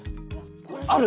ある？